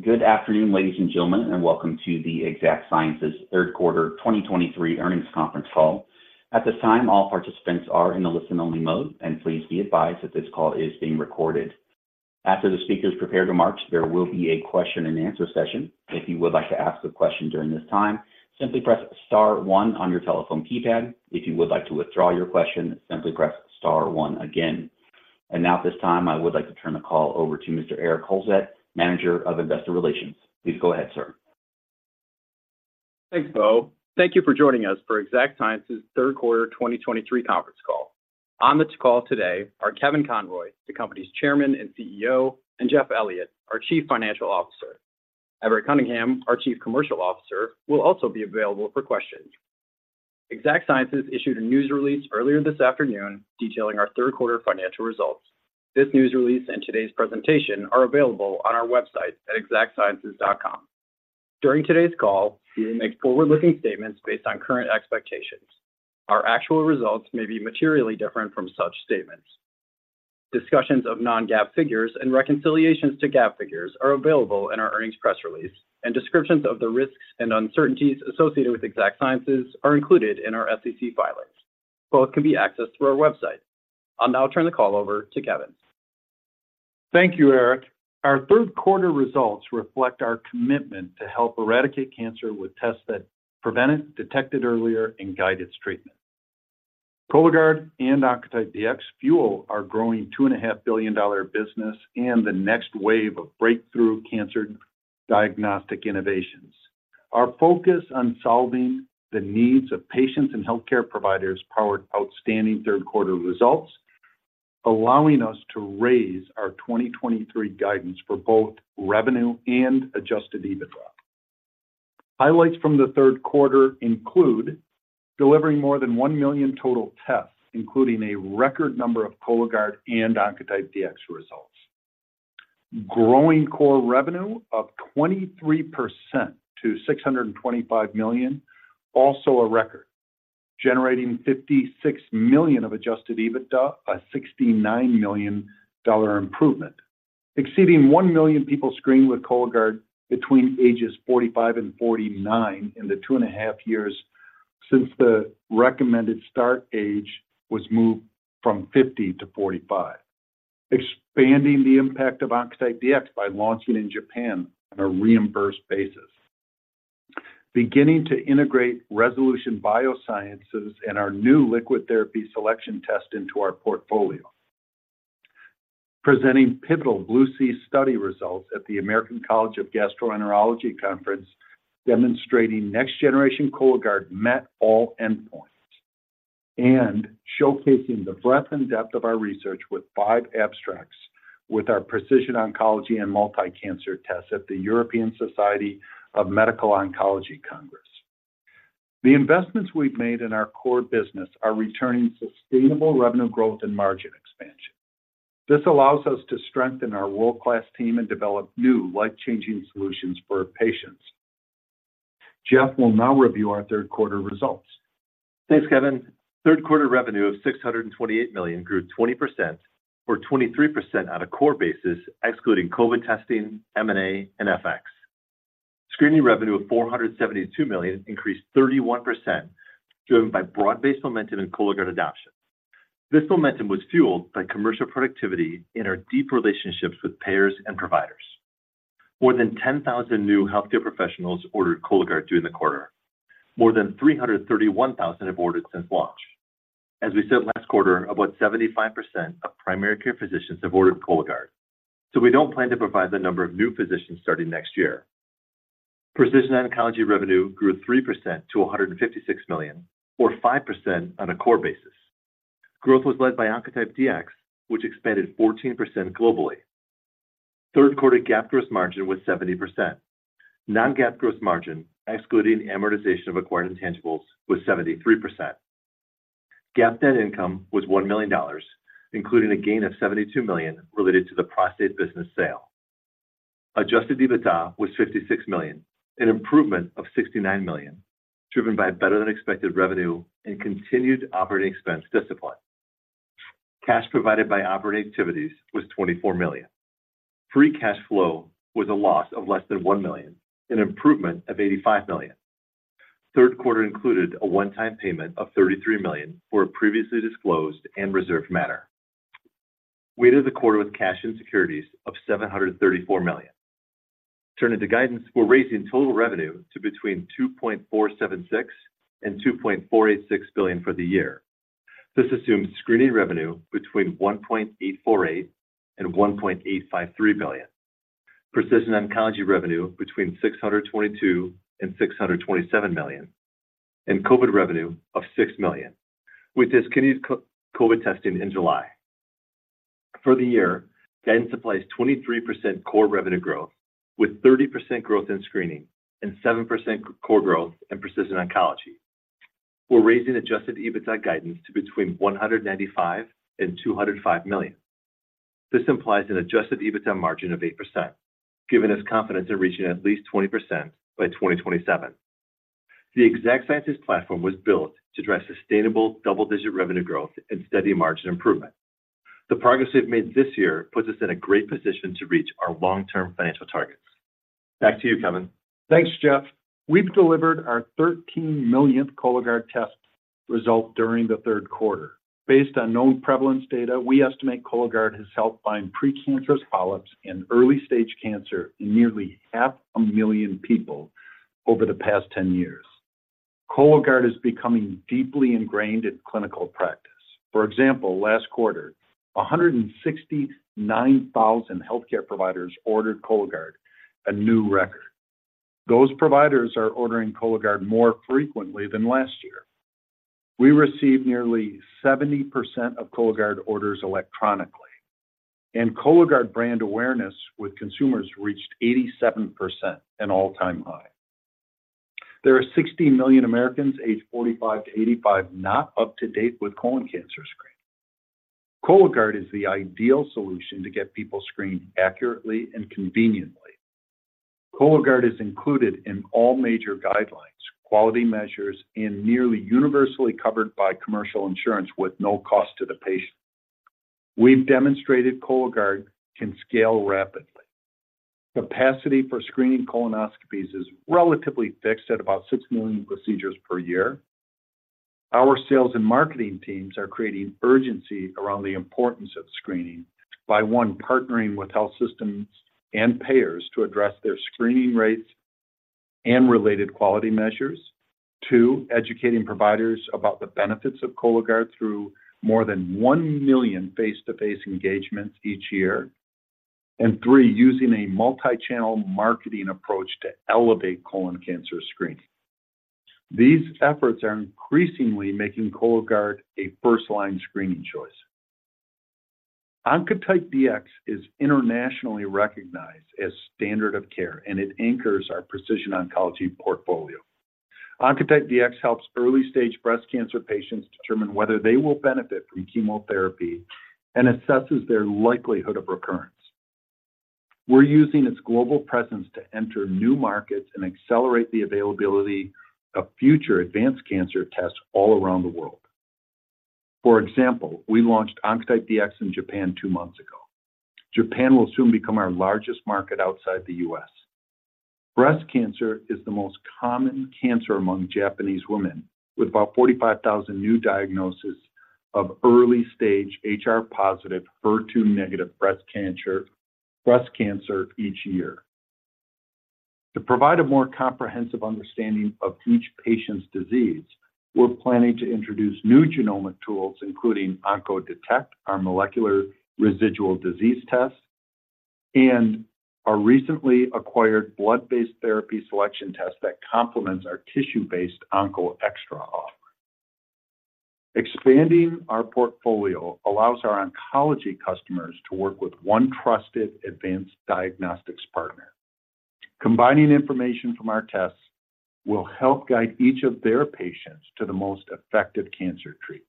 Good afternoon, ladies and gentlemen, and welcome to the Exact Sciences third quarter 2023 earnings conference call. At this time, all participants are in a listen-only mode, and please be advised that this call is being recorded. After the speakers' remarks, there will be a question-and-answer session. If you would like to ask a question during this time, simply press star one on your telephone keypad. If you would like to withdraw your question, simply press star one again. And now at this time, I would like to turn the call over to Mr. Erik Holzknecht Manager of Investor Relations. Please go ahead, sir. Thanks, Bo. Thank you for joining us for Exact Sciences third quarter 2023 conference call. On the call today are Kevin Conroy, the company's Chairman and CEO, and Jeff Elliott, our Chief Financial Officer. Everett Cunningham, our Chief Commercial Officer, will also be available for questions. Exact Sciences issued a news release earlier this afternoon detailing our third quarter financial results. This news release and today's presentation are available on our website at exactsciences.com. During today's call, we will make forward-looking statements based on current expectations. Our actual results may be materially different from such statements. Discussions of non-GAAP figures and reconciliations to GAAP figures are available in our earnings press release, and descriptions of the risks and uncertainties associated with Exact Sciences are included in our SEC filings. Both can be accessed through our website. I'll now turn the call over to Kevin. Thank you, Erik. Our third quarter results reflect our commitment to help eradicate cancer with tests that prevent it, detect it earlier, and guide its treatment. Cologuard and Oncotype DX fuel our growing $2.5 billion-dollar business and the next wave of breakthrough cancer diagnostic innovations. Our focus on solving the needs of patients and healthcare providers powered outstanding third quarter results, allowing us to raise our 2023 guidance for both revenue and adjusted EBITDA. Highlights from the third quarter include: delivering more than 1 million total tests, including a record number of Cologuard and Oncotype DX results. Growing core revenue 23% to $625 million, also a record. Generating $56 million of adjusted EBITDA, a $69 million improvement. Exceeding 1 million people screened with Cologuard between ages 45 and 49 in the two and a half years since the recommended start age was moved from 50 to 45. Expanding the impact of Oncotype DX by launching in Japan on a reimbursed basis. Beginning to integrate Resolution Bioscience and our new liquid therapy selection test into our portfolio. Presenting pivotal BLUE-C study results at the American College of Gastroenterology Conference, demonstrating next-generation Cologuard met all endpoints. And showcasing the breadth and depth of our research with 5 abstracts with our precision oncology and multi-cancer tests at the European Society for Medical Oncology Congress. The investments we've made in our core business are returning sustainable revenue growth and margin expansion. This allows us to strengthen our world-class team and develop new life-changing solutions for patients. Jeff will now review our third quarter results. Thanks, Kevin. Third quarter revenue of $628 million grew 20% or 23% on a core basis, excluding COVID testing, M&A, and FX. Screening revenue of $472 million increased 31%, driven by broad-based momentum in Cologuard adoption. This momentum was fueled by commercial productivity in our deep relationships with payers and providers. More than 10,000 new healthcare professionals ordered Cologuard during the quarter. More than 331,000 have ordered since launch. As we said last quarter, about 75% of primary care physicians have ordered Cologuard, so we don't plan to provide the number of new physicians starting next year. Precision oncology revenue grew 3% to $156 million or 5% on a core basis. Growth was led by Oncotype DX, which expanded 14% globally. Third quarter GAAP gross margin was 70%. Non-GAAP gross margin, excluding amortization of acquired intangibles, was 73%. GAAP net income was $1 million, including a gain of $72 million related to the prostate business sale. Adjusted EBITDA was $56 million, an improvement of $69 million, driven by better-than-expected revenue and continued operating expense discipline. Cash provided by operating activities was $24 million. Free cash flow was a loss of less than $1 million, an improvement of $85 million. Third quarter included a one-time payment of $33 million for a previously disclosed and reserved matter. We ended the quarter with cash and securities of $734 million. Turning to guidance, we're raising total revenue to between $2.476 billion and $2.486 billion for the year. This assumes screening revenue between $1.848 billion and $1.853 billion. Precision oncology revenue between $622 million and $627 million, and COVID revenue of $6 million. We discontinued COVID testing in July. For the year, guidance implies 23% core revenue growth, with 30% growth in screening and 7% core growth in precision oncology. We're raising Adjusted EBITDA guidance to between $195 million and $205 million. This implies an Adjusted EBITDA margin of 8%, giving us confidence in reaching at least 20% by 2027.... The Exact Sciences platform was built to drive sustainable double-digit revenue growth and steady margin improvement. The progress we've made this year puts us in a great position to reach our long-term financial targets. Back to you, Kevin. Thanks, Jeff. We've delivered our 13th millionth Cologuard test result during the third quarter. Based on known prevalence data, we estimate Cologuard has helped find precancerous polyps and early-stage cancer in nearly 500,000 people over the past 10 years. Cologuard is becoming deeply ingrained in clinical practice. For example, last quarter, 169,000 healthcare providers ordered Cologuard, a new record. Those providers are ordering Cologuard more frequently than last year. We received nearly 70% of Cologuard orders electronically, and Cologuard brand awareness with consumers reached 87%, an all-time high. There are 60 million Americans aged 45-85, not up to date with colon cancer screening. Cologuard is the ideal solution to get people screened accurately and conveniently. Cologuard is included in all major guidelines, quality measures, and nearly universally covered by commercial insurance with no cost to the patient. We've demonstrated Cologuard can scale rapidly. Capacity for screening colonoscopies is relatively fixed at about 6 million procedures per year. Our sales and marketing teams are creating urgency around the importance of screening by, one, partnering with health systems and payers to address their screening rates and related quality measures. Two, educating providers about the benefits of Cologuard through more than 1 million face-to-face engagements each year. And three, using a multi-channel marketing approach to elevate colon cancer screening. These efforts are increasingly making Cologuard a first-line screening choice. Oncotype DX is internationally recognized as standard of care, and it anchors our precision oncology portfolio. Oncotype DX helps early-stage breast cancer patients determine whether they will benefit from chemotherapy and assesses their likelihood of recurrence. We're using its global presence to enter new markets and accelerate the availability of future advanced cancer tests all around the world. For example, we launched Oncotype DX in Japan two months ago. Japan will soon become our largest market outside the U.S. Breast cancer is the most common cancer among Japanese women, with about 45,000 new diagnoses of early-stage HR-positive, HER2-negative breast cancer each year. To provide a more comprehensive understanding of each patient's disease, we're planning to introduce new genomic tools, including OncoDetect, our molecular residual disease test, and our recently acquired blood-based therapy selection test that complements our tissue-based OncoExTra offer. Expanding our portfolio allows our oncology customers to work with one trusted advanced diagnostics partner. Combining information from our tests will help guide each of their patients to the most effective cancer treatments.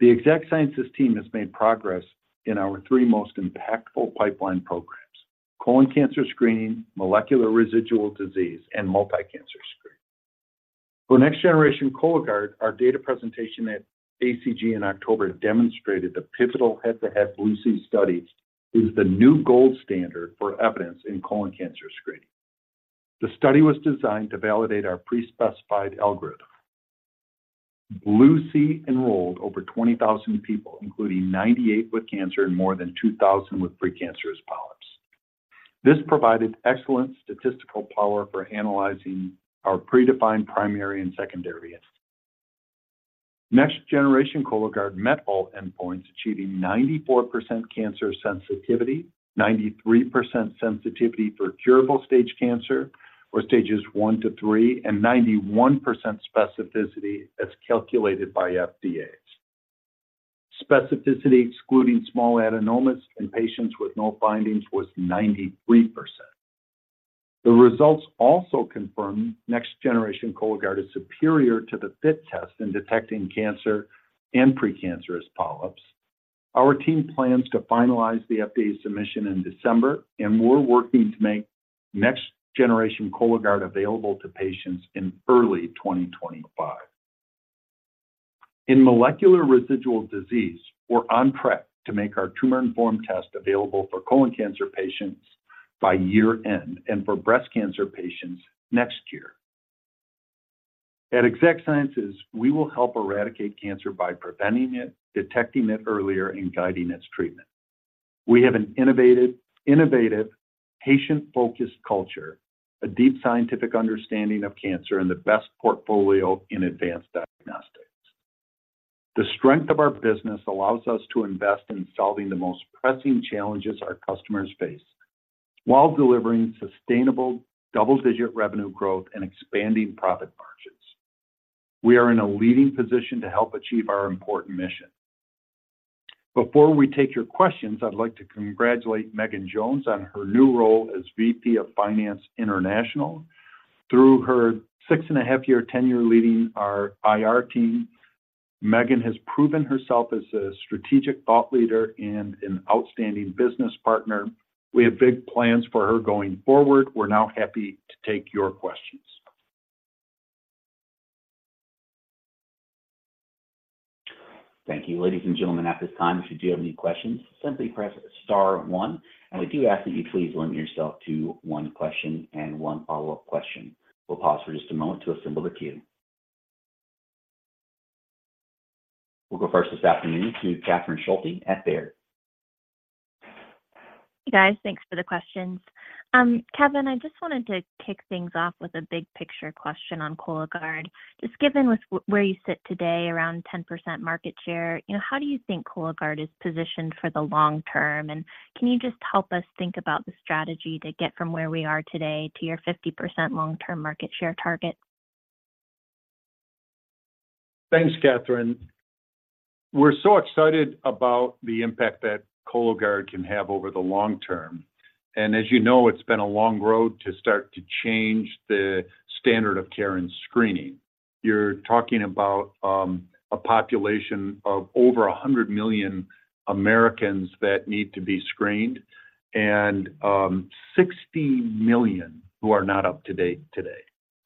The Exact Sciences team has made progress in our three most impactful pipeline programs: colon cancer screening, molecular residual disease, and multi-cancer screening. For next-generation Cologuard, our data presentation at ACG in October demonstrated the pivotal head-to-head BLUE-C study is the new gold standard for evidence in colon cancer screening. The study was designed to validate our pre-specified algorithm. BLUE-C enrolled over 20,000 people, including 98 with cancer and more than 2,000 with precancerous polyps. This provided excellent statistical power for analyzing our predefined primary and secondary endpoints. next-generation Cologuard met all endpoints, achieving 94% cancer sensitivity, 93% sensitivity for curable-stage cancer or stages one-three, and 91% specificity as calculated by FDA. Specificity, excluding small adenomas in patients with no findings, was 93%. The results also confirmed next-generation Cologuard is superior to the FIT test in detecting cancer and precancerous polyps. Our team plans to finalize the FDA submission in December, and we're working to make next-generation Cologuardavailable to patients in early 2025. In molecular residual disease, we're on track to make our tumor-informed test available for colon cancer patients by year-end and for breast cancer patients next year. At Exact Sciences, we will help eradicate cancer by preventing it, detecting it earlier, and guiding its treatment. We have an innovative, patient-focused culture, a deep scientific understanding of cancer, and the best portfolio in advanced diagnostics. The strength of our business allows us to invest in solving the most pressing challenges our customers face while delivering sustainable double-digit revenue growth and expanding profit margins. We are in a leading position to help achieve our important mission. Before we take your questions, I'd like to congratulate Megan Jones on her new role as VP of Finance International. Through her 6.5-year tenure leading our IR team, Megan has proven herself as a strategic thought leader and an outstanding business partner. We have big plans for her going forward. We're now happy to take your questions. Thank you, ladies and gentlemen. At this time, if you do have any questions, simply press star one, and we do ask that you please limit yourself to one question and one follow-up question. We'll pause for just a moment to assemble the queue. We'll go first this afternoon to Catherine Schulte at Baird. Hey, guys. Thanks for the questions. Kevin, I just wanted to kick things off with a big picture question on Cologuard. Just given where you sit today, around 10% market share, you know, how do you think Cologuard is positioned for the long term? And can you just help us think about the strategy to get from where we are today to your 50% long-term market share target? Thanks, Catherine. We're so excited about the impact that Cologuard can have over the long term, and as you know, it's been a long road to start to change the standard of care in screening. You're talking about a population of over 100 million Americans that need to be screened and 60 million who are not up to date today.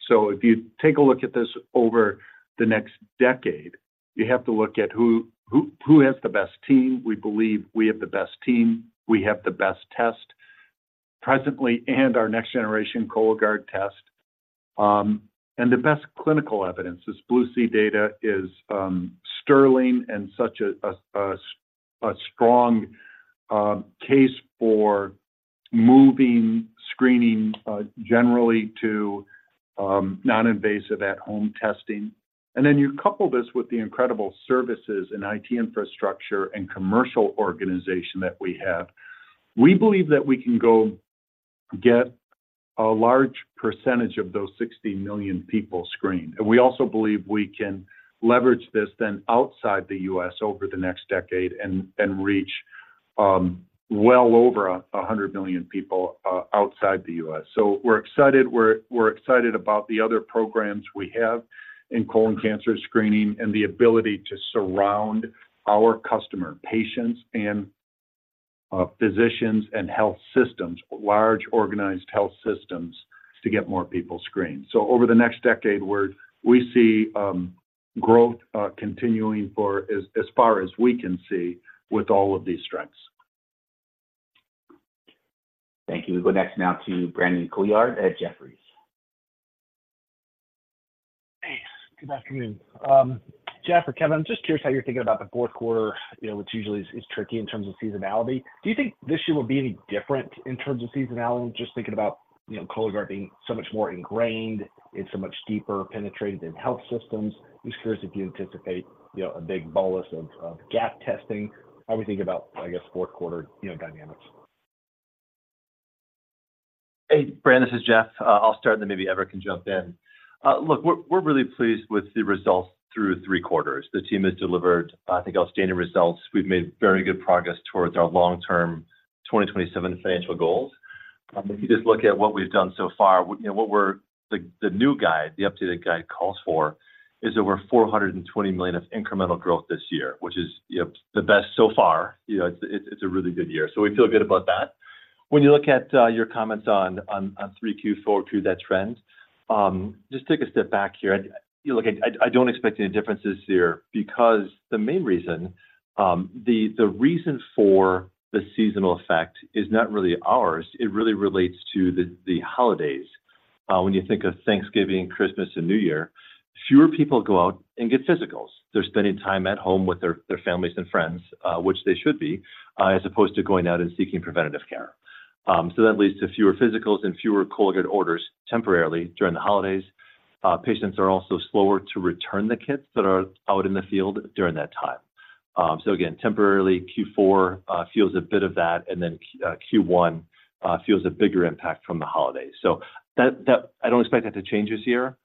So if you take a look at this over the next decade, you have to look at who has the best team. We believe we have the best team. We have the best test presently, and our next generation Cologuard test. And the best clinical evidence, this BLUE-C data is sterling and such a strong case for moving screening generally to non-invasive at-home testing. Then you couple this with the incredible services and IT infrastructure and commercial organization that we have. We believe that we can go get a large percentage of those 60 million people screened, and we also believe we can leverage this then outside the U.S. over the next decade and reach well over 100 million people outside the U.S.. So we're excited. We're excited about the other programs we have in colon cancer screening and the ability to surround our customer, patients, and physicians and health systems, large, organized health systems, to get more people screened. So over the next decade, we're we see growth continuing for as far as we can see with all of these strengths. Thank you. We go next now to Brandon Couillard at Jefferies. Hey, good afternoon. Jeff or Kevin, I'm just curious how you're thinking about the fourth quarter, you know, which usually is tricky in terms of seasonality. Do you think this year will be any different in terms of seasonality? Just thinking about, you know, Cologuard being so much more ingrained and so much deeper penetrated in health systems. Just curious if you anticipate, you know, a big bolus of gap testing, how we think about, I guess, fourth quarter, you know, dynamics. Hey, Brandon, this is Jeff. I'll start, and then maybe Everett can jump in. Look, we're really pleased with the results through three quarters. The team has delivered, I think, outstanding results. We've made very good progress towards our long-term 2027 financial goals. If you just look at what we've done so far, you know, what we're... The new guide, the updated guide calls for $420 million of incremental growth this year, which is, you know, the best so far. You know, it's a really good year. So we feel good about that. When you look at your comments on 3Q, 4Q, that trend, just take a step back here. You look at... I don't expect any difference this year, because the main reason, the reason for the seasonal effect is not really ours. It really relates to the holidays. When you think of Thanksgiving, Christmas, and New Year, fewer people go out and get physicals. They're spending time at home with their families and friends, which they should be, as opposed to going out and seeking preventative care. So that leads to fewer physicals and fewer Cologuard orders temporarily during the holidays. Patients are also slower to return the kits that are out in the field during that time. So again, temporarily, Q4 feels a bit of that, and then Q1 feels a bigger impact from the holidays. So that I don't expect that to change this year.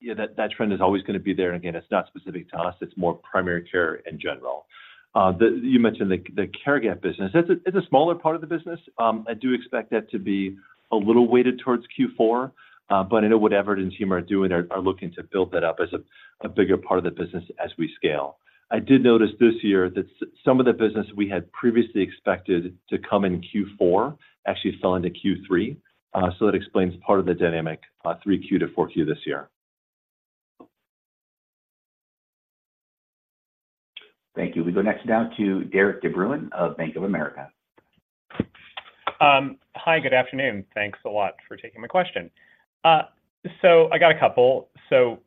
Yeah, that trend is always gonna be there. And again, it's not specific to us. It's more primary care in general. You mentioned the care gap business. That's, it's a smaller part of the business. I do expect that to be a little weighted towards Q4, but I know what Everett's team are doing are looking to build that up as a bigger part of the business as we scale. I did notice this year that some of the business we had previously expected to come in Q4 actually fell into Q3, so that explains part of the dynamic, Q3 to Q4 this year. Thank you. We go next now to Derik de Bruin of Bank of America. Hi, good afternoon. Thanks a lot for taking my question. So I got a couple. So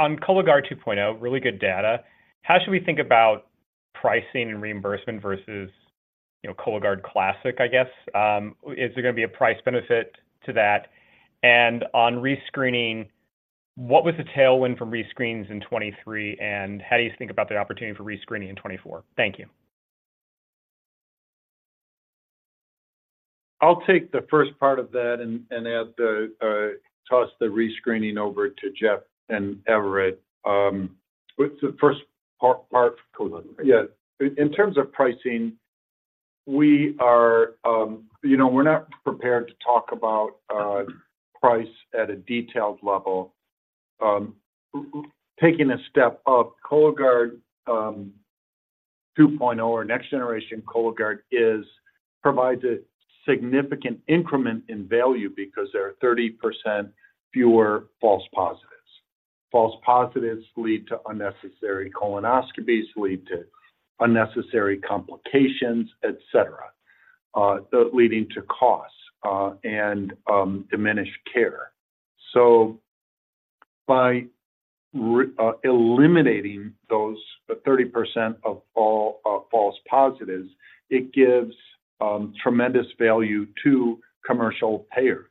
on Cologuard 2.0, really good data. How should we think about pricing and reimbursement versus, you know, Cologuard Classic, I guess? Is there gonna be a price benefit to that? And on rescreening, what was the tailwind from rescreening in 2023, and how do you think about the opportunity for rescreening in 2024? Thank you. I'll take the first part of that and, and add the, toss the rescreening over to Jeff and Everett. What's the first part? Yeah. In terms of pricing- We are, you know, we're not prepared to talk about price at a detailed level. Taking a step up, Cologuard 2.0, or next generation Cologuard, provides a significant increment in value because there are 30% fewer false positives. False positives lead to unnecessary colonoscopies, lead to unnecessary complications, et cetera, leading to costs, and diminished care. By eliminating those, the 30% of false positives, it gives tremendous value to commercial payers,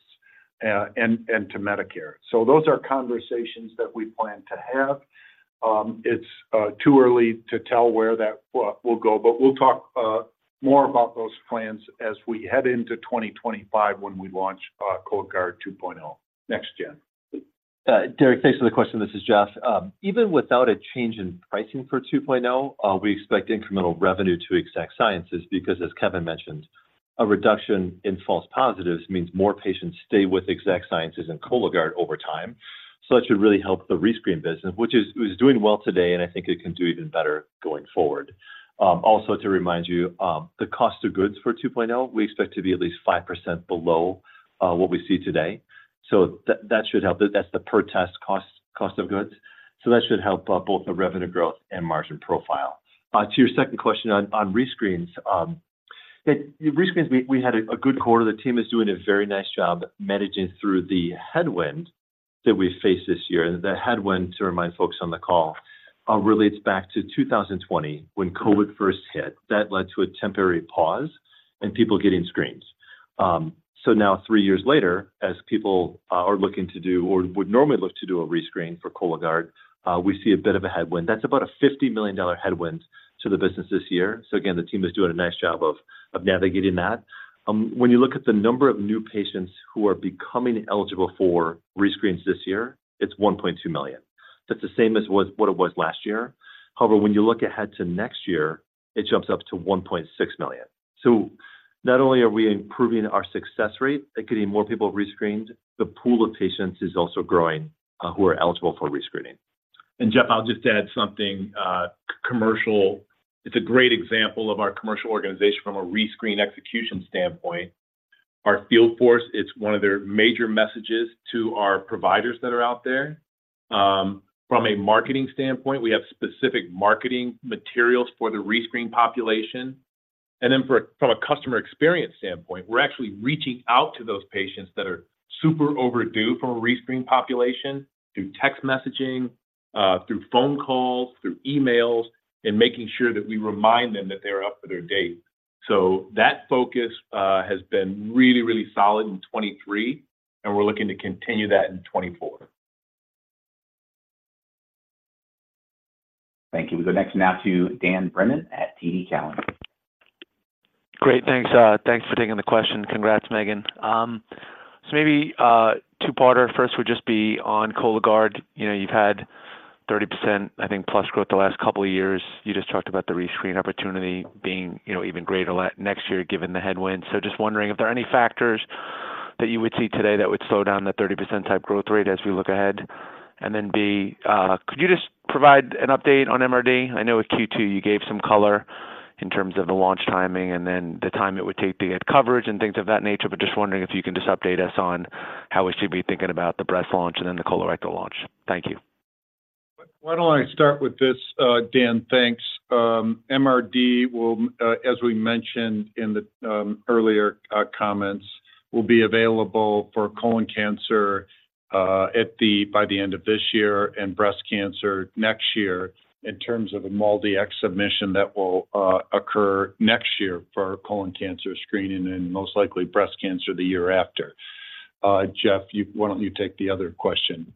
and to Medicare. Those are conversations that we plan to have. It's too early to tell where that will go, but we'll talk more about those plans as we head into 2025, when we launch Cologuard 2.0. Next, Jeff. Derek, thanks for the question. This is Jeff. Even without a change in pricing for 2.0, we expect incremental revenue to Exact Sciences because, as Kevin mentioned, a reduction in false positives means more patients stay with Exact Sciences and Cologuard over time. So that should really help the rescreen business, which is doing well today, and I think it can do even better going forward. Also, to remind you, the cost of goods for 2.0, we expect to be at least 5% below what we see today, so that should help. That's the per test cost of goods. So that should help both the revenue growth and margin profile. To your second question on rescreens. Rescreens, we had a good quarter. The team is doing a very nice job managing through the headwind that we faced this year. The headwind, to remind folks on the call, relates back to 2020, when COVID first hit. That led to a temporary pause in people getting screens. So now, three years later, as people are looking to do or would normally look to do a rescreen for Cologuard, we see a bit of a headwind. That's about a $50 million headwind to the business this year. So again, the team is doing a nice job of navigating that. When you look at the number of new patients who are becoming eligible for rescreens this year, it's 1.2 million. That's the same as what it was last year. However, when you look ahead to next year, it jumps up to 1.6 million. So not only are we improving our success rate and getting more people rescreened, the pool of patients is also growing who are eligible for rescreening. And Jeff, I'll just add something. Commercial... It's a great example of our commercial organization from a rescreen execution standpoint. Our field force, it's one of their major messages to our providers that are out there. From a marketing standpoint, we have specific marketing materials for the rescreen population. And then from a customer experience standpoint, we're actually reaching out to those patients that are super overdue from a rescreening population through text messaging, through phone calls, through emails, and making sure that we remind them that they're up for their date. So that focus has been really, really solid in 2023, and we're looking to continue that in 2024. Thank you. We go next now to Dan Brennan at TD Cowen. Great, thanks. Thanks for taking the question. Congrats, Megan. So maybe two-parter. First would just be on Cologuard. You know, you've had 30%, I think, plus growth the last couple of years. You just talked about the rescreen opportunity being, you know, even greater next year, given the headwind. So just wondering if there are any factors that you would see today that would slow down the 30% type growth rate as we look ahead? And then, B, could you just provide an update on MRD? I know with Q2, you gave some color in terms of the launch timing and then the time it would take to get coverage and things of that nature. But just wondering if you can just update us on how we should be thinking about the breast launch and then the colorectal launch. Thank you. Why don't I start with this, Dan? Thanks. MRD will, as we mentioned in the earlier comments, will be available for colon cancer by the end of this year and breast cancer next year. In terms of a MolDX submission, that will occur next year for colon cancer screening and most likely breast cancer the year after. Jeff, you, why don't you take the other question?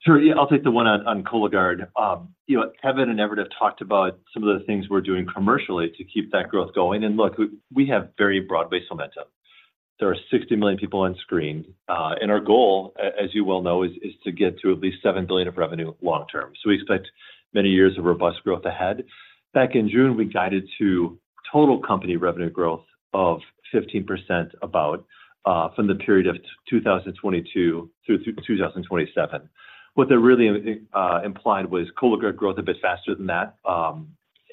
Sure. Yeah, I'll take the one on Cologuard. You know, Kevin and Everett have talked about some of the things we're doing commercially to keep that growth going. And look, we have very broad-based momentum. There are 60 million people on screen, and our goal, as you well know, is to get to at least $7 billion of revenue long term. So we expect many years of robust growth ahead. Back in June, we guided to total company revenue growth of 15%, about, from the period of 2022 through to 2027. What that really implied was Cologuard growth a bit faster than that,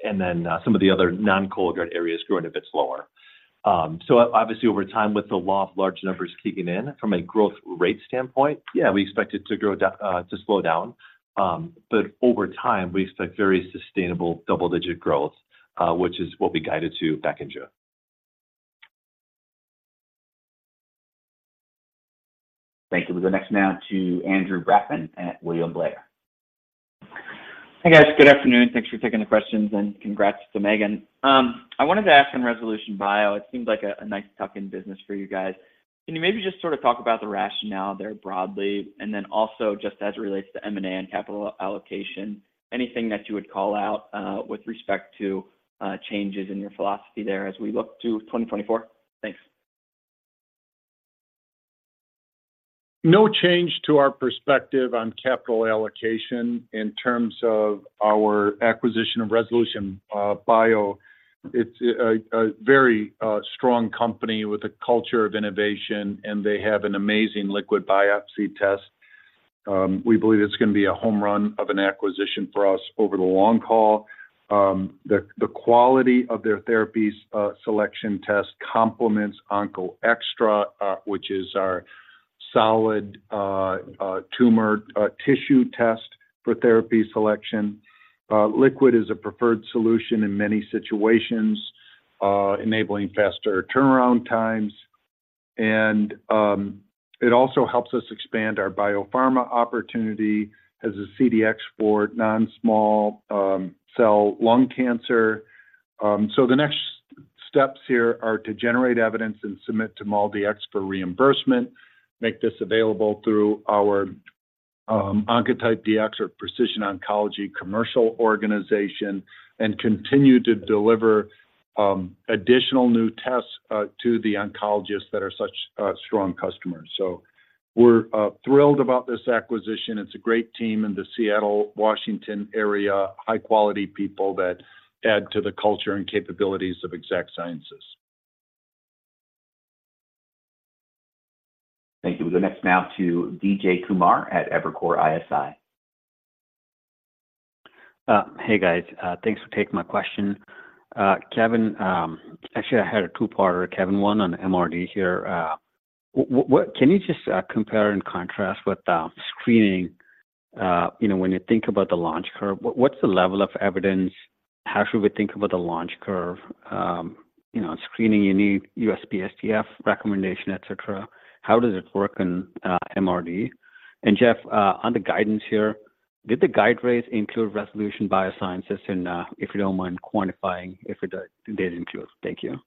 and then some of the other non-Cologuard areas growing a bit slower. So obviously, over time, with the law of large numbers kicking in from a growth rate standpoint, yeah, we expect it to slow down. But over time, we expect very sustainable double-digit growth, which is what we guided to back in June. Thank you. We go next now to Andrew Brackmann at William Blair. Hey, guys. Good afternoon. Thanks for taking the questions, and congrats to Megan. I wanted to ask on Resolution Bioscience. It seems like a nice tuck-in business for you guys. Can you maybe just sort of talk about the rationale there broadly? And then also, just as it relates to M&A and capital allocation, anything that you would call out with respect to changes in your philosophy there as we look to 2024? Thanks.... No change to our perspective on capital allocation in terms of our acquisition of Resolution Bioscience. It's a very strong company with a culture of innovation, and they have an amazing liquid biopsy test. We believe it's gonna be a home run of an acquisition for us over the long haul. The quality of their therapy selection test complements OncoExTra, which is our solid tumor tissue test for therapy selection. Liquid is a preferred solution in many situations, enabling faster turnaround times. And it also helps us expand our biopharma opportunity as a CDx for non-small cell lung cancer. So the next steps here are to generate evidence and submit to MolDX for reimbursement, make this available through our Oncotype DX or precision oncology commercial organization, and continue to deliver additional new tests to the oncologists that are such strong customers. So we're thrilled about this acquisition. It's a great team in the Seattle, Washington area. High-quality people that add to the culture and capabilities of Exact Sciences. Thank you. We go next now to Vijay Kumar at Evercore ISI. Hey, guys. Thanks for taking my question. Kevin, actually, I had a two-parter, Kevin, one on MRD here. What-- can you just compare and contrast with the screening? You know, when you think about the launch curve, what's the level of evidence? How should we think about the launch curve? You know, screening, you need USPSTF recommendation, et cetera. How does it work in MRD? Jeff, on the guidance here, did the guide raise include Resolution Bioscience? And, if you don't mind quantifying, if it does, did include. Thank you.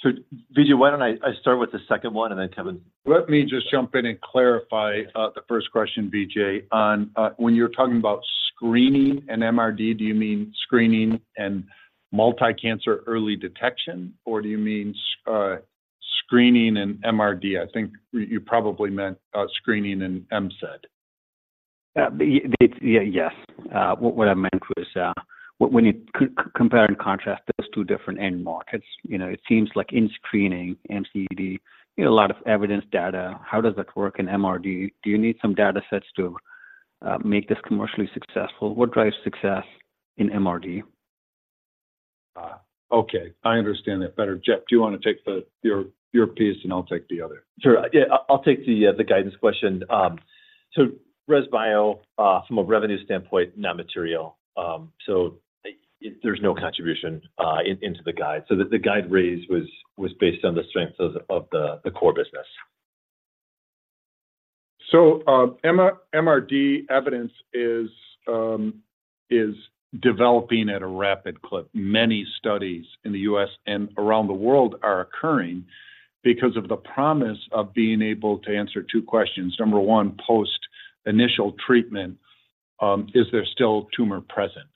So, Vijay, why don't I start with the second one, and then, Kevin- Let me just jump in and clarify, the first question, Vijay. On, when you're talking about screening and MRD, do you mean screening and multi-cancer early detection, or do you mean, screening and MRD? I think you probably meant, screening and MCED. Yeah, yeah, yes. What I meant was, when you compare and contrast those two different end markets, you know, it seems like in screening, MCED, you know, a lot of evidence data. How does that work in MRD? Do you need some data sets to make this commercially successful? What drives success in MRD? Okay, I understand that better. Jeff, do you want to take your piece, and I'll take the other? Sure. Yeah, I'll, I'll take the guidance question. So Res Bio from a revenue standpoint, not material. So there's no contribution into the guide. So the guide raise was based on the strengths of the core business. So, MRD evidence is developing at a rapid clip. Many studies in the U.S. and around the world are occurring because of the promise of being able to answer two questions: number one, post initial treatment, is there still tumor present?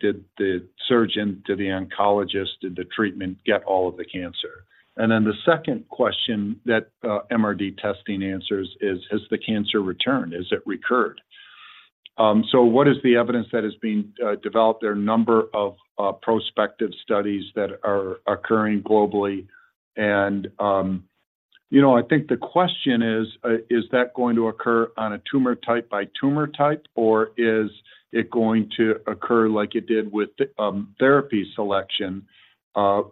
Did the surgeon, did the oncologist, did the treatment get all of the cancer? And then the second question that MRD testing answers is, has the cancer returned? Has it recurred? So what is the evidence that is being developed? There are a number of prospective studies that are occurring globally. You know, I think the question is, is that going to occur on a tumor type by tumor type, or is it going to occur like it did with, therapy selection,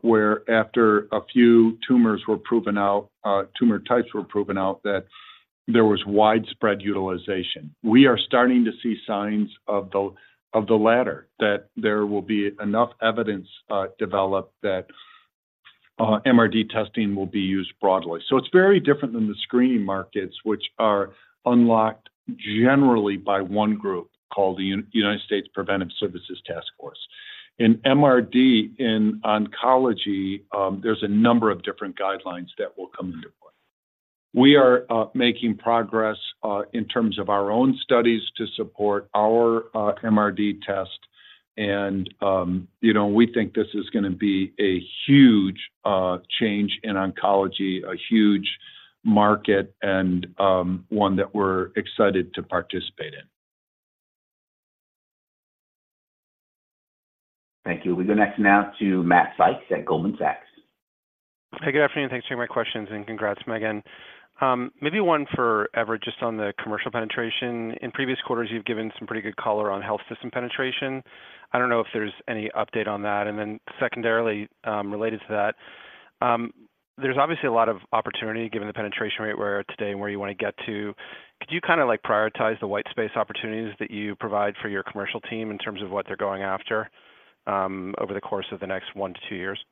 where after a few tumors were proven out, tumor types were proven out, that there was widespread utilization? We are starting to see signs of the latter, that there will be enough evidence developed that MRD testing will be used broadly. So it's very different than the screening markets, which are unlocked generally by one group called the United States Preventive Services Task Force. In MRD, in oncology, there's a number of different guidelines that will come into play. We are making progress in terms of our own studies to support our MRD test. You know, we think this is gonna be a huge change in oncology, a huge market, and one that we're excited to participate in. Thank you. We go next now to Matt Sykes at Goldman Sachs. Hey, good afternoon, and thanks for taking my questions, and congrats again. Maybe one for Everett, just on the commercial penetration. In previous quarters, you've given some pretty good color on health system penetration. I don't know if there's any update on that. And then secondarily, related to that, there's obviously a lot of opportunity given the penetration rate where today and where you want to get to. Could you kinda, like, prioritize the white space opportunities that you provide for your commercial team in terms of what they're going after, over the course of the next one to two years?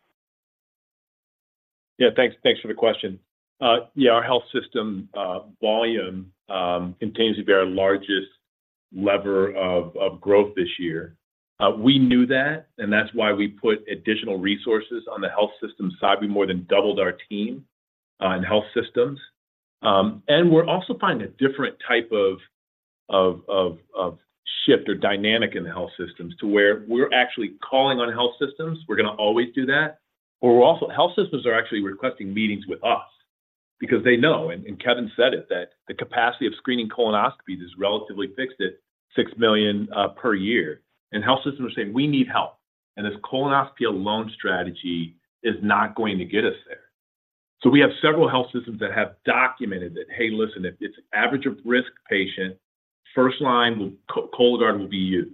Yeah, thanks, thanks for the question. Yeah, our health system volume continues to be our largest lever of growth this year. We knew that, and that's why we put additional resources on the health system side. We more than doubled our team in health systems. And we're also finding a different type of shift or dynamic in the health systems to where we're actually calling on health systems. We're going to always do that, but we're also health systems are actually requesting meetings with us because they know, and Kevin said it, that the capacity of screening colonoscopies is relatively fixed at 6 million per year. Health systems are saying, "We need help, and this colonoscopy alone strategy is not going to get us there." So we have several health systems that have documented that, "Hey, listen, if it's average risk patient, first line will be Cologuard,"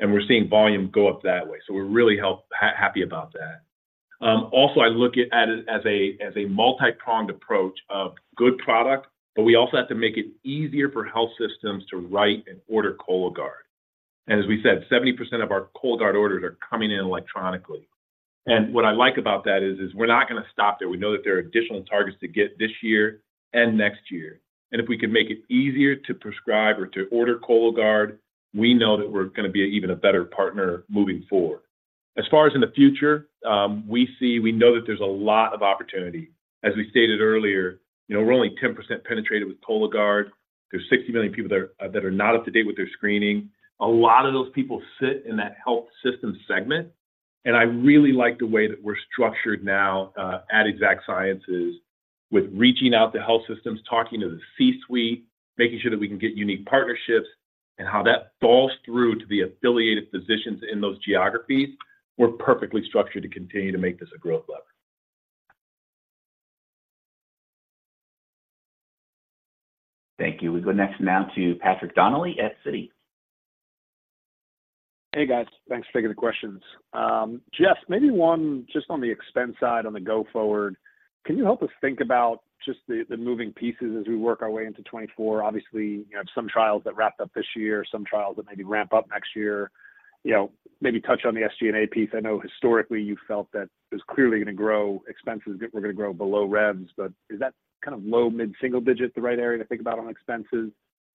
and we're seeing volume go up that way. So we're really happy about that. Also, I look at it as a multi-pronged approach of good product, but we also have to make it easier for health systems to write and order Cologuard. And as we said, 70% of our Cologuard orders are coming in electronically. And what I like about that is we're not going to stop there. We know that there are additional targets to get this year and next year, and if we can make it easier to prescribe or to order Cologuard, we know that we're going to be an even a better partner moving forward. As far as in the future, we see... We know that there's a lot of opportunity. As we stated earlier, you know, we're only 10% penetrated with Cologuard. There's 60 million people that are not up to date with their screening. A lot of those people sit in that health system segment, and I really like the way that we're structured now, at Exact Sciences, with reaching out to health systems, talking to the C-suite, making sure that we can get unique partnerships and how that falls through to the affiliated physicians in those geographies. We're perfectly structured to continue to make this a growth lever. Thank you. We go next now to Patrick Donnelly at Citi. Hey, guys. Thanks for taking the questions. Jeff, maybe one just on the expense side, on the go forward. Can you help us think about just the, the moving pieces as we work our way into 2024? Obviously, you have some trials that wrapped up this year, some trials that maybe ramp up next year. You know, maybe touch on the SG&A piece. I know historically you felt that it was clearly going to grow, expenses were going to grow below revs, but is that kind of low, mid-single digit, the right area to think about on expenses?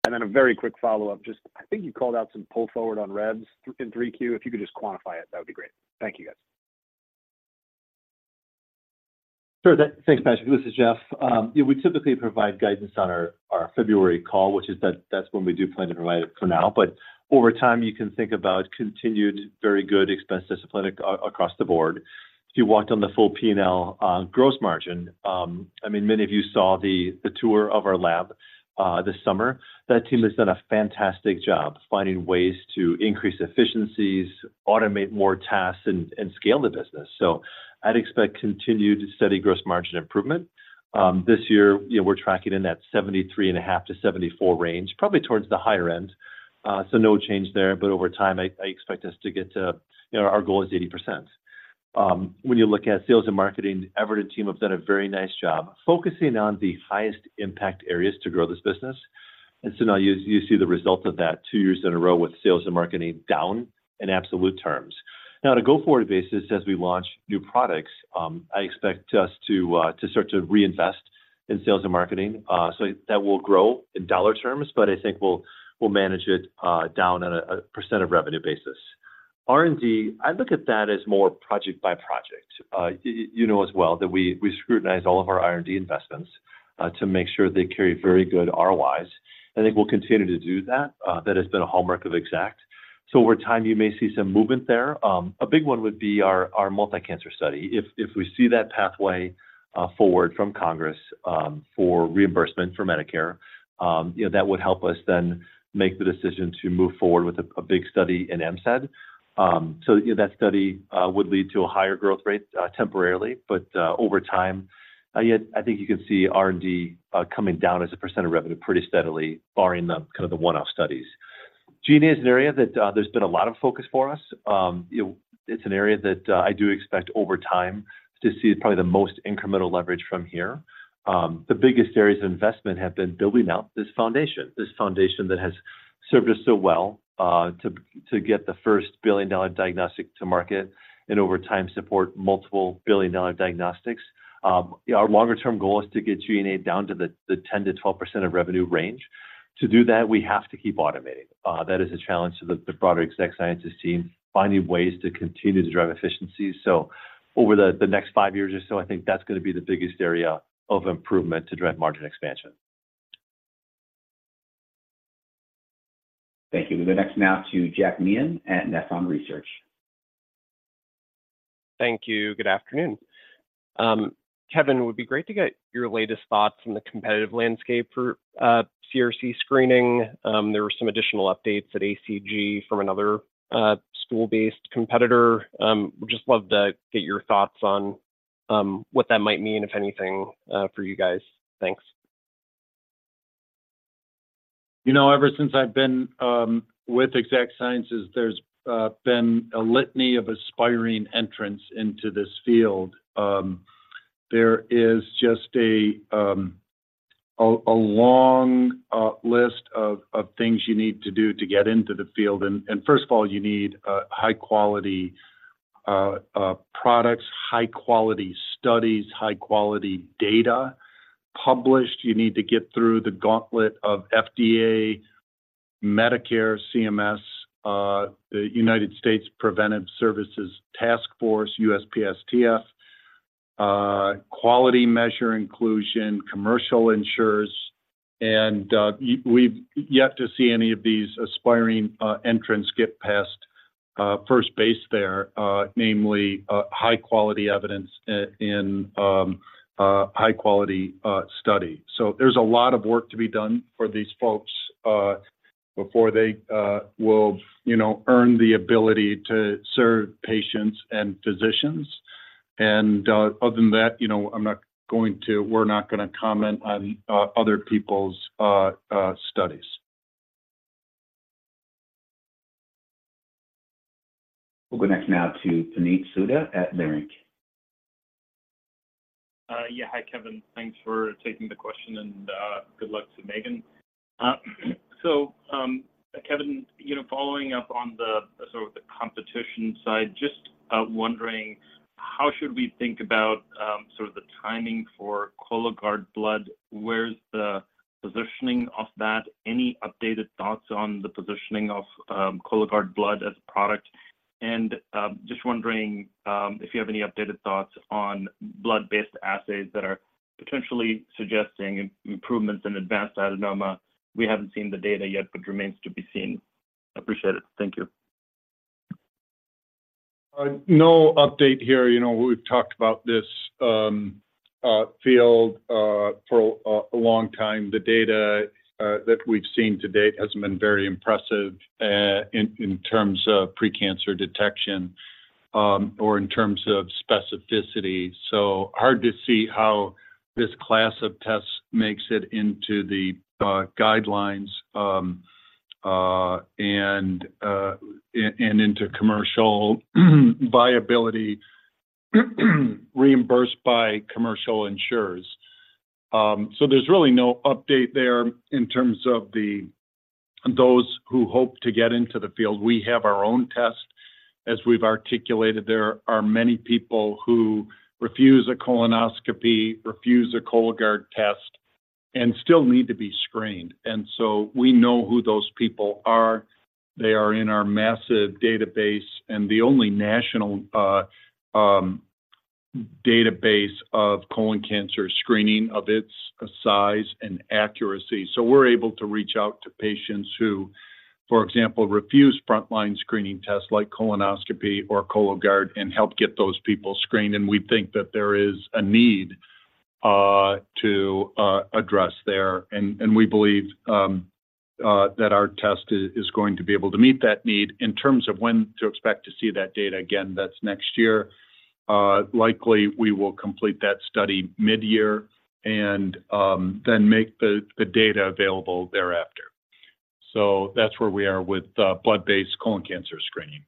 And then a very quick follow-up, just I think you called out some pull forward on revs in 3Q. If you could just quantify it, that would be great. Thank you, guys. Sure. Thanks, Patrick. This is Jeff. Yeah, we typically provide guidance on our February call, which is that. That's when we do plan to provide it for now. But over time, you can think about continued very good expense discipline across the board. If you walked on the full P&L on gross margin, I mean, many of you saw the tour of our lab this summer. That team has done a fantastic job finding ways to increase efficiencies, automate more tasks, and scale the business. So I'd expect continued steady gross margin improvement. This year, we're tracking in that 73.5-74 range, probably towards the higher end. So no change there, but over time, I expect us to get to, you know, our goal is 80%. When you look at sales and marketing, Everett team have done a very nice job focusing on the highest impact areas to grow this business. And so now you, you see the result of that two years in a row with sales and marketing down in absolute terms. Now, on a go-forward basis, as we launch new products, I expect us to start to reinvest in sales and marketing. So that will grow in dollar terms, but I think we'll, we'll manage it down on a percent of revenue basis. R&D, I look at that as more project by project. You know as well that we, we scrutinize all of our R&D investments to make sure they carry very good ROIs, and I think we'll continue to do that. That has been a hallmark of Exact. So over time, you may see some movement there. A big one would be our, our multi-cancer study. If, if we see that pathway forward from Congress for reimbursement for Medicare, you know, that would help us then make the decision to move forward with a, a big study in MCED. So, you know, that study would lead to a higher growth rate temporarily, but over time, yet I think you can see R&D coming down as a percent of revenue pretty steadily, barring the kind of the one-off studies. G&A is an area that there's been a lot of focus for us. You know, it's an area that I do expect over time to see probably the most incremental leverage from here. The biggest areas of investment have been building out this foundation, this foundation that has served us so well, to, to get the first billion-dollar diagnostic to market and over time, support multiple billion-dollar diagnostics. Our longer-term goal is to get G&A down to the 10%-12% of revenue range. To do that, we have to keep automating. That is a challenge to the broader Exact Sciences team, finding ways to continue to drive efficiencies. So over the next five years or so, I think that's going to be the biggest area of improvement to drive margin expansion. Thank you. We go next now to Jack Meehan at Nephron Research. Thank you. Good afternoon. Kevin, it would be great to get your latest thoughts on the competitive landscape for CRC screening. There were some additional updates at ACG from another stool-based competitor. Just love to get your thoughts on what that might mean, if anything, for you guys. Thanks. You know, ever since I've been with Exact Sciences, there's been a litany of aspiring entrants into this field. There is just a long list of things you need to do to get into the field. First of all, you need high-quality products, high-quality studies, high-quality data published. You need to get through the gauntlet of FDA, Medicare, CMS, the United States Preventive Services Task Force, USPSTF.... quality measure inclusion, commercial insurers, and, we've yet to see any of these aspiring entrants get past first base there, namely, high-quality evidence in high-quality study. So there's a lot of work to be done for these folks before they will, you know, earn the ability to serve patients and physicians. And, other than that, you know, I'm not going to—we're not gonna comment on other people's studies. We'll go next now to Puneet Souda at Leerink Partners. Yeah. Hi, Kevin. Thanks for taking the question, and good luck to Megan. So, Kevin, you know, following up on the sort of the competition side, just wondering, how should we think about sort of the timing for Cologuard blood? Where's the positioning of that? Any updated thoughts on the positioning of Cologuard blood as a product? And just wondering if you have any updated thoughts on blood-based assays that are potentially suggesting improvements in Advanced Adenoma. We haven't seen the data yet, but remains to be seen. Appreciate it. Thank you. No update here. You know, we've talked about this field for a long time. The data that we've seen to date hasn't been very impressive in terms of pre-cancer detection or in terms of specificity. So hard to see how this class of tests makes it into the guidelines and into commercial viability, reimbursed by commercial insurers. So there's really no update there in terms of those who hope to get into the field. We have our own test. As we've articulated, there are many people who refuse a colonoscopy, refuse a Cologuard test, and still need to be screened, and so we know who those people are. They are in our massive database, and the only national database of colon cancer screening of its size and accuracy. So we're able to reach out to patients who, for example, refuse frontline screening tests like colonoscopy or Cologuard and help get those people screened. We think that there is a need to address there. We believe that our test is going to be able to meet that need. In terms of when to expect to see that data, again, that's next year. Likely, we will complete that study mid-year and then make the data available thereafter. So that's where we are with blood-based colon cancer screening.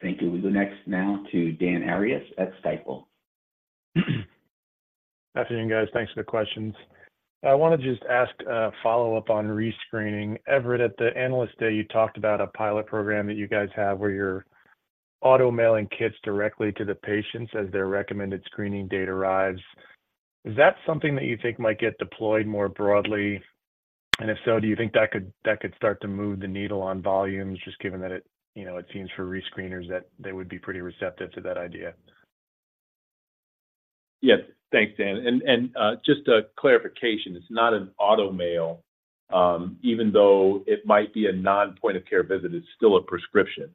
Thank you. We go next now to Dan Arias at Stifel. Good afternoon, guys. Thanks for the questions. I want to just ask a follow-up on rescreening. Everett, at the Analyst Day, you talked about a pilot program that you guys have, where you're auto-mailing kits directly to the patients as their recommended screening date arrives. Is that something that you think might get deployed more broadly? And if so, do you think that could, that could start to move the needle on volumes, just given that it, you know, it seems for rescreeners that they would be pretty receptive to that idea? Yes. Thanks, Dan. And, just a clarification, it's not an auto mail. Even though it might be a non-point-of-care visit, it's still a prescription.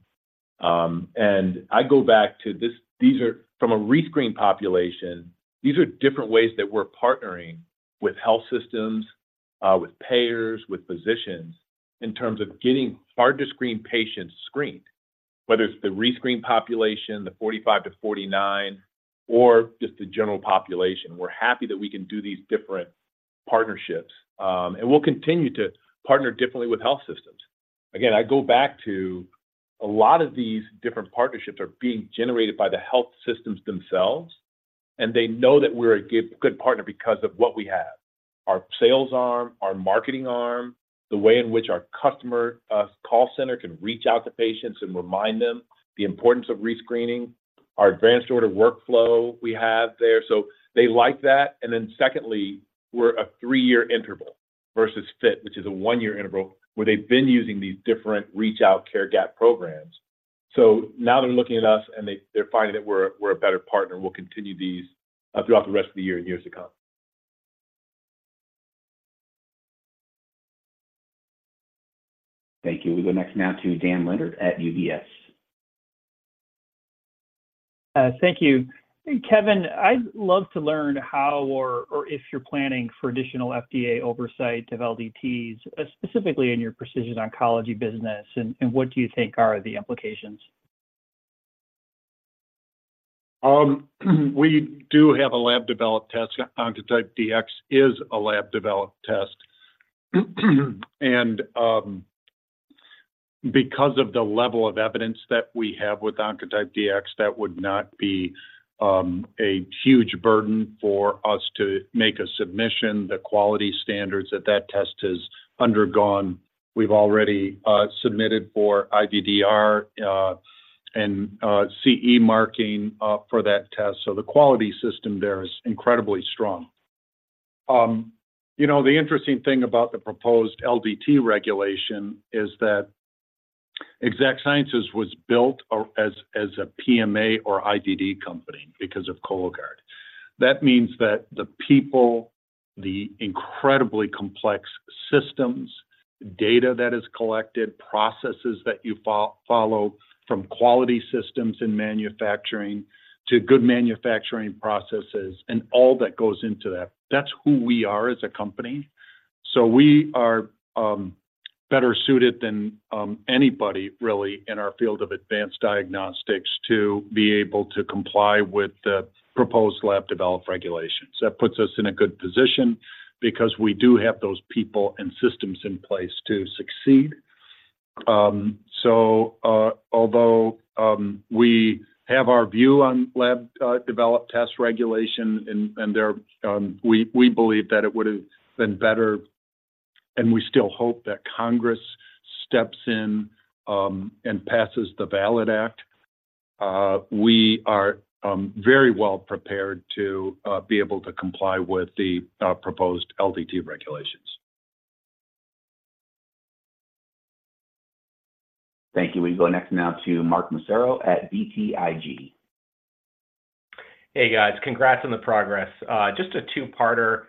And I go back to this—these are from a rescreen population, these are different ways that we're partnering with health systems, with payers, with physicians, in terms of getting hard-to-screen patients screened, whether it's the rescreen population, the 45-49, or just the general population. We're happy that we can do these different partnerships, and we'll continue to partner differently with health systems. Again, I go back to a lot of these different partnerships are being generated by the health systems themselves, and they know that we're a good partner because of what we have: our sales arm, our marketing arm, the way in which our customer call center can reach out to patients and remind them the importance of rescreening, our advanced order workflow we have there. So they like that. And then secondly, we're a three-year interval versus FIT, which is a one-year interval, where they've been using these different reach-out Care Gap programs. So now they're looking at us, and they're finding that we're a better partner. We'll continue these throughout the rest of the year and years to come. Thank you. We go next now to Dan Leonard at UBS. Thank you. Kevin, I'd love to learn how or if you're planning for additional FDA oversight of LDTs, specifically in your precision oncology business, and what do you think are the implications? We do have a lab-developed test. Oncotype DX is a lab-developed test. And, because of the level of evidence that we have with Oncotype DX, that would not be a huge burden for us to make a submission. The quality standards that that test has undergone, we've already submitted for IVDR and CE marking for that test. So the quality system there is incredibly strong. You know, the interesting thing about the proposed LDT regulation is that Exact Sciences was built as a PMA or ID company because of Cologuard. That means that the people, the incredibly complex systems, data that is collected, processes that you follow, from quality systems and manufacturing to good manufacturing processes and all that goes into that, that's who we are as a company. So we are better suited than anybody really in our field of advanced diagnostics to be able to comply with the proposed lab-developed regulations. That puts us in a good position because we do have those people and systems in place to succeed. So although we have our view on lab-developed test regulation, and we believe that it would have been better, and we still hope that Congress steps in and passes the VALID Act. We are very well prepared to be able to comply with the proposed LDT regulations. Thank you. We go next now to Mark Massaro at BTIG. Hey, guys. Congrats on the progress. Just a two-parter.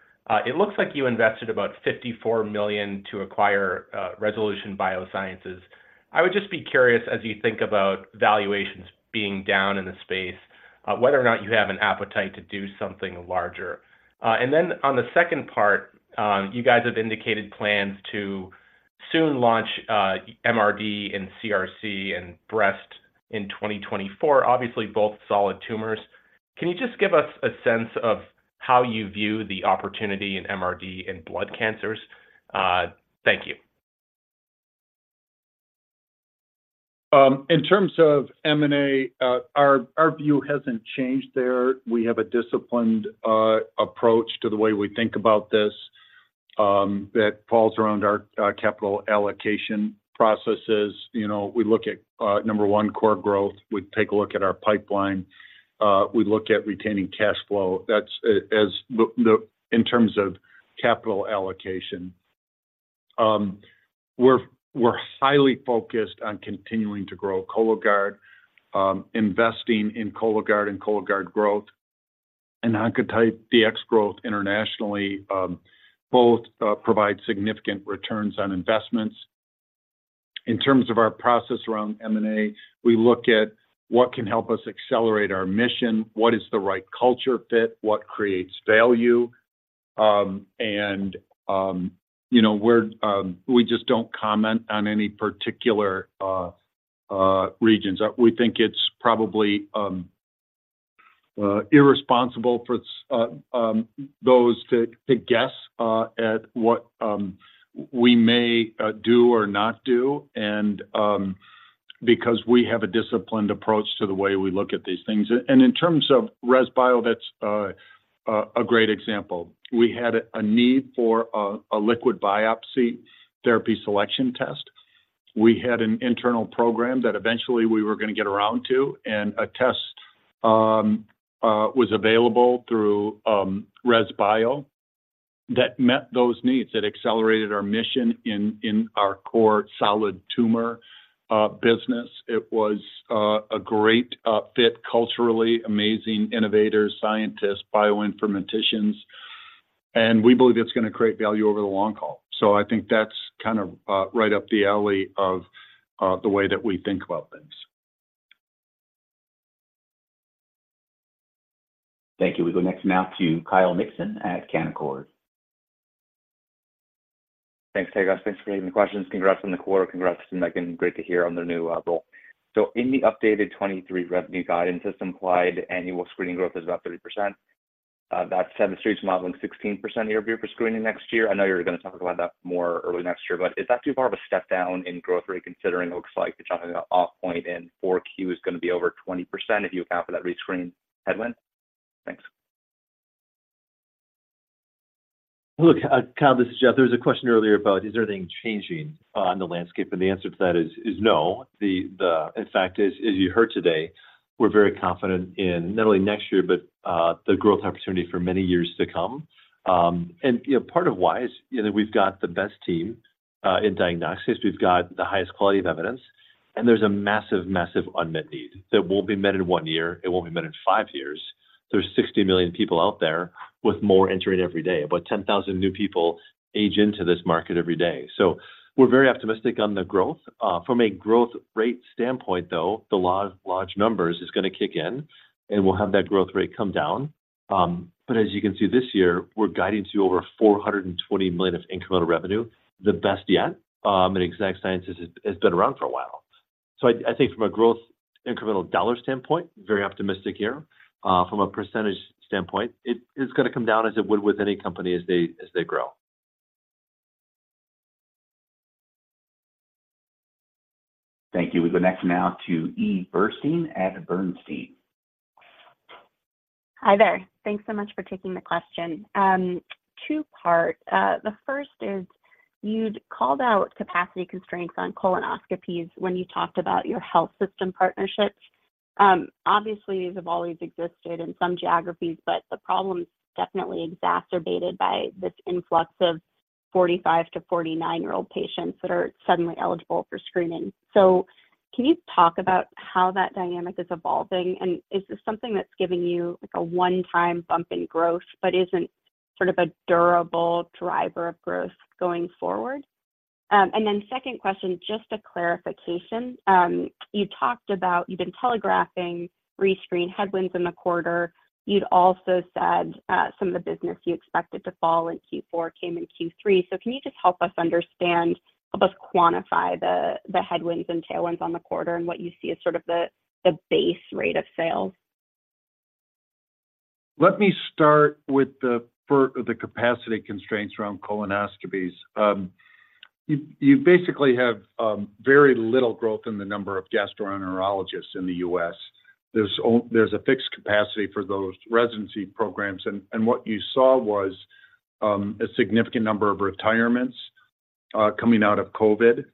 It looks like you invested about $54 million to acquire Resolution Bioscience. I would just be curious, as you think about valuations being down in the space, whether or not you have an appetite to do something larger. And then on the second part, you guys have indicated plans to soon launch MRD in CRC and breast in 2024, obviously both solid tumors. Can you just give us a sense of how you view the opportunity in MRD in blood cancers? Thank you. In terms of M&A, our view hasn't changed there. We have a disciplined approach to the way we think about this, that falls around our capital allocation processes. You know, we look at number one, core growth. We take a look at our pipeline. We look at retaining cash flow. That's in terms of capital allocation. We're highly focused on continuing to grow Cologuard, investing in Cologuard and Cologuard growth, and Oncotype DX growth internationally. Both provide significant returns on investments. In terms of our process around M&A, we look at what can help us accelerate our mission, what is the right culture fit, what creates value. And you know, we just don't comment on any particular regions. We think it's probably irresponsible for those to guess at what we may do or not do, and because we have a disciplined approach to the way we look at these things. In terms of ResBio, that's a great example. We had a need for a liquid biopsy therapy selection test. We had an internal program that eventually we were going to get around to, and a test was available through ResBio that met those needs, that accelerated our mission in our core solid tumor business. It was a great fit, culturally amazing innovators, scientists, bioinformaticians, and we believe it's going to create value over the long haul. So I think that's kind of right up the alley of the way that we think about things. Thank you. We go next now to Kyle Mikson at Canaccord. Thanks, guys. Thanks for taking the questions. Congrats on the quarter. Congrats to Megan. Great to hear on the new role. So in the updated 2023 revenue guidance, that's implied annual screening growth is about 30%. That's the Street's modeling 16% year-over-year for screening next year. I know you're going to talk about that more early next year, but is that too far of a step down in growth rate, considering it looks like you're talking about Q1 and Q4 is going to be over 20% if you account for that rescreen headwind? Thanks. Look, Kyle, this is Jeff. There was a question earlier about is there anything changing on the landscape? And the answer to that is no. In fact, as you heard today, we're very confident in not only next year, but the growth opportunity for many years to come. And, you know, part of why is, you know, we've got the best team in diagnostics. We've got the highest quality of evidence, and there's a massive, massive unmet need that won't be met in one year. It won't be met in five years. There's 60 million people out there with more entering every day. About 10,000 new people age into this market every day. So we're very optimistic on the growth. From a growth rate standpoint, though, the large, large numbers is going to kick in, and we'll have that growth rate come down. But as you can see this year, we're guiding to over $420 million of incremental revenue, the best yet, and Exact Sciences has been around for a while. So I think from a growth incremental dollar standpoint, very optimistic here. From a percentage standpoint, it is going to come down as it would with any company as they grow. Thank you. We go next now to Eve Burstein at Bernstein. Hi there. Thanks so much for taking the question. Two-part. The first is, you'd called out capacity constraints on colonoscopies when you talked about your health system partnerships. ... Obviously, these have always existed in some geographies, but the problem is definitely exacerbated by this influx of 45-49-year-old patients that are suddenly eligible for screening. So can you talk about how that dynamic is evolving? And is this something that's giving you, like, a one-time bump in growth but isn't sort of a durable driver of growth going forward? And then second question, just a clarification. You talked about you've been telegraphing rescreen headwinds in the quarter. You'd also said, some of the business you expected to fall in Q4 came in Q3. So can you just help us understand, help us quantify the, the headwinds and tailwinds on the quarter and what you see as sort of the, the base rate of sales? Let me start with the capacity constraints around colonoscopies. You basically have very little growth in the number of gastroenterologists in the U.S. There's a fixed capacity for those residency programs, and what you saw was a significant number of retirements coming out of COVID.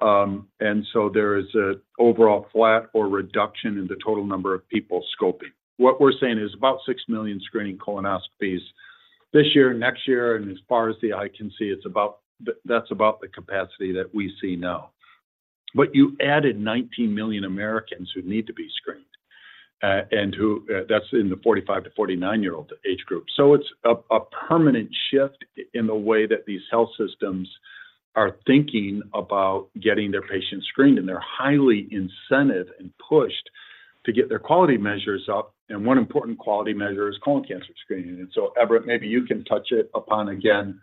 And so there is a overall flat or reduction in the total number of people scoping. What we're saying is about 6 million screening colonoscopies this year, next year, and as far as the eye can see, it's about—that's about the capacity that we see now. But you added 19 million Americans who need to be screened, and who... That's in the 45-49-year-old age group. So it's a permanent shift in the way that these health systems are thinking about getting their patients screened, and they're highly incented and pushed to get their quality measures up. And one important quality measure is colon cancer screening. And so, Everett, maybe you can touch it upon again,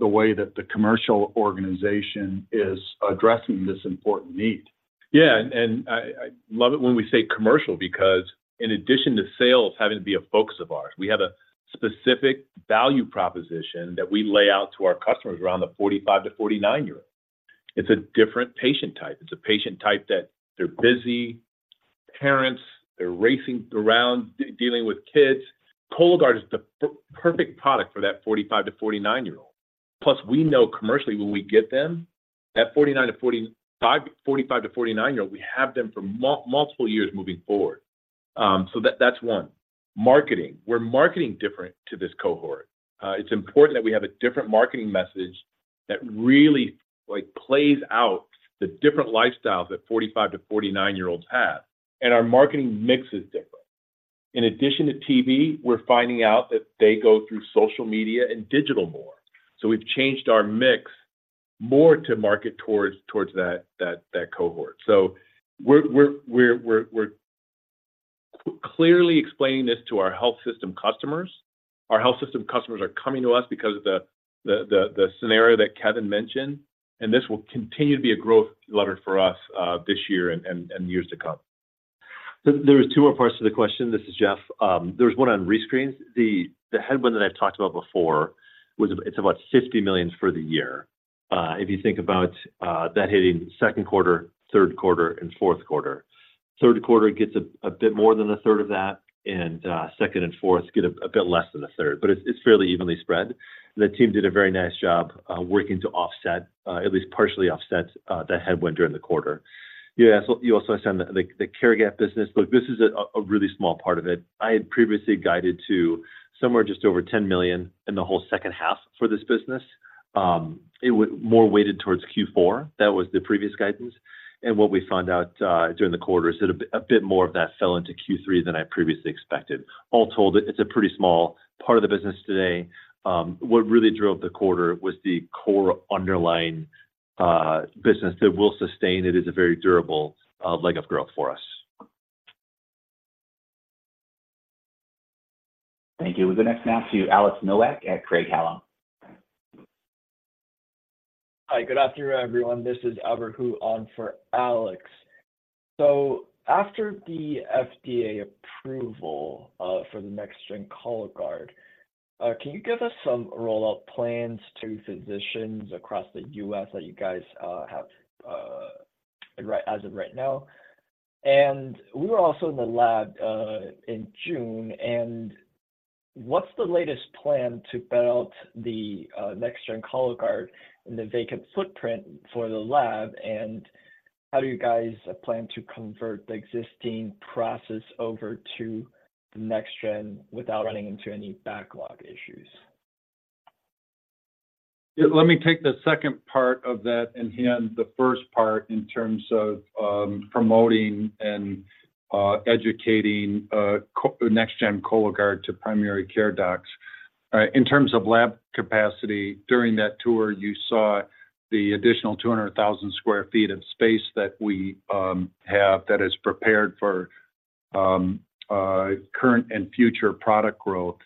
the way that the commercial organization is addressing this important need. Yeah, and I love it when we say commercial because in addition to sales having to be a focus of ours, we have a specific value proposition that we lay out to our customers around the 45-49-year.. It's a different patient type. It's a patient type that they're busy parents, they're racing around, dealing with kids. Cologuard is the perfect product for that 45-49-year-old. Plus, we know commercially, when we get them at 49-45, 45-49-year-old, we have them for multiple years moving forward. So that's one. Marketing. We're marketing different to this cohort. It's important that we have a different marketing message that really, like, plays out the different lifestyles that 45-49-year-olds have, and our marketing mix is different. In addition to TV, we're finding out that they go through social media and digital more. So we've changed our mix more to market towards that cohort. So we're clearly explaining this to our health system customers. Our health system customers are coming to us because of the scenario that Kevin mentioned, and this will continue to be a growth lever for us, this year and years to come. So there was two more parts to the question. This is Jeff. There was one on rescreens. The headwind that I've talked about before was it's about $50 million for the year. If you think about that hitting second quarter, third quarter, and fourth quarter. Third quarter gets a bit more than a third of that, and second and fourth get a bit less than a third, but it's fairly evenly spread. The team did a very nice job working to offset at least partially offset that headwind during the quarter. Yeah, so you also asked on the Care Gap business, but this is a really small part of it. I had previously guided to somewhere just over $10 million in the whole second half for this business. It was more weighted towards Q4. That was the previous guidance. And what we found out during the quarter is that a bit more of that fell into Q3 than I previously expected. All told, it's a pretty small part of the business today. What really drove the quarter was the core underlying business that will sustain. It is a very durable leg of growth for us. Thank you. We'll go next now to Alex Nowak at Craig-Hallum. Hi, good afternoon, everyone. This is Albert Hu on for Alex. So after the FDA approval for the next-gen Cologuard, can you give us some rollout plans to physicians across the U.S. that you guys have right, as of right now? And we were also in the lab in June, and what's the latest plan to build the next-gen Cologuard in the vacant footprint for the lab? And how do you guys plan to convert the existing process over to the next-gen without running into any backlog issues? Yeah, let me take the second part of that and hand the first part in terms of promoting and educating next-gen Cologuard to primary care docs. In terms of lab capacity, during that tour, you saw the additional 200,000 sq ft of space that we have that is prepared for current and future product growth.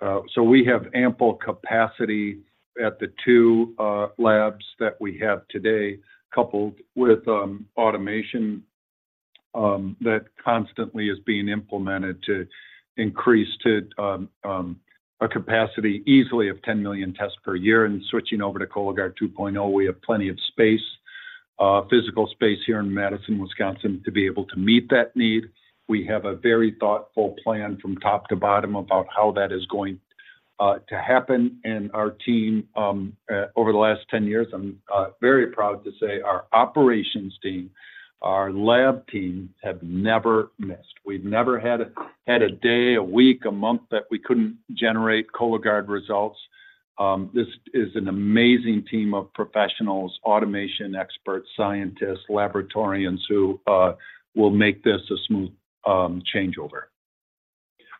So we have ample capacity at the two labs that we have today, coupled with automation that constantly is being implemented to increase to a capacity easily of 10 million tests per year. And switching over to Cologuard 2.0, we have plenty of space, physical space here in Madison, Wisconsin, to be able to meet that need. We have a very thoughtful plan from top to bottom about how that is going to happen. Our team, over the last 10 years, I'm very proud to say, our operations team, our lab team, have never missed. We've never had a day, a week, a month that we couldn't generate Cologuard results. This is an amazing team of professionals, automation experts, scientists, laboratorians who will make this a smooth changeover.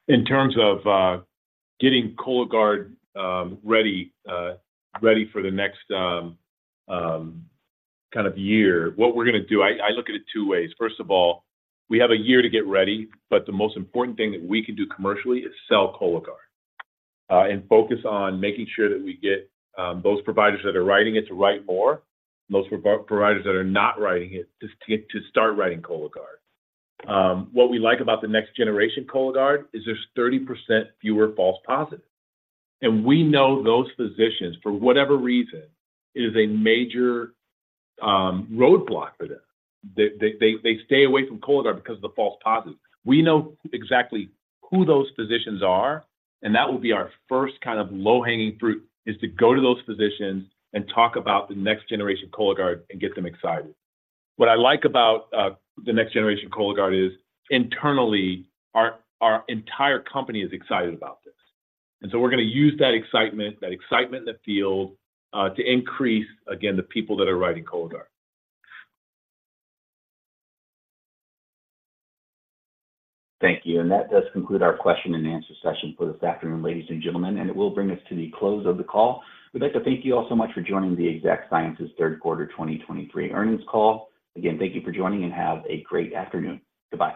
In terms of getting Cologuard ready for the next kind of year, what we're gonna do... I look at it two ways. First of all, we have a year to get ready, but the most important thing that we can do commercially is sell Cologuard and focus on making sure that we get those providers that are writing it to write more, those providers that are not writing it to start writing Cologuard. What we like about the Next Generation Cologuard is there's 30% fewer false positives, and we know those physicians, for whatever reason, it is a major roadblock for them. They stay away from Cologuard because of the false positives. We know exactly who those physicians are, and that will be our first kind of low-hanging fruit, is to go to those physicians and talk about the next-generation Cologuard and get them excited. What I like about, the next-generation Cologuard is internally, our, our entire company is excited about this. And so we're gonna use that excitement, that excitement in the field, to increase, again, the people that are writing Cologuard. Thank you. That does conclude our question and answer session for this afternoon, ladies and gentlemen, and it will bring us to the close of the call. We'd like to thank you all so much for joining the Exact Sciences third quarter 2023 earnings call. Again, thank you for joining, and have a great afternoon. Goodbye.